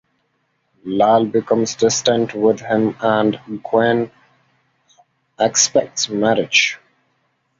Lal becomes distant with him and Gwyn expects marriage.